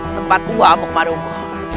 tempat uap umaruku